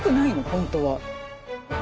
本当は。